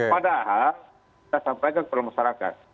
padahal kita sampaikan kepada masyarakat